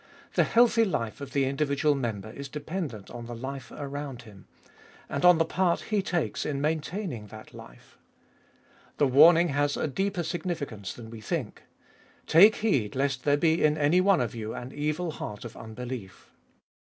The healthy life of the individual member is de pendent on the life around him, and on the part he takes in 132 abe Tboliest of 2W maintaining that life. The warning has a deeper significance than we think :" Take heed lest there be in any one of you an evil heart of unbelief."